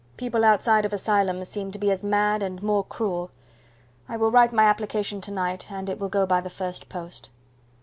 People outside of asylums seem to be as mad and more cruel. I will write my application to night, and it will go by the first post."